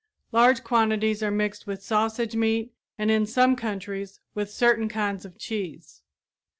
Large quantities are mixed with sausage meat and, in some countries, with certain kinds of cheese.